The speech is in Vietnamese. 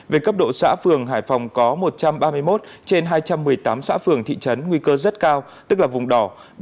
về cấp độ xã phường hải phòng có một trăm ba mươi một trên hai trăm một mươi tám xã phường thị trấn nguy cơ rất cao tức là vùng đỏ